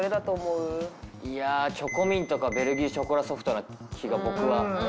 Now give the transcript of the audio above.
チョコミントか、ベルギーショコラソフトな気が、僕は。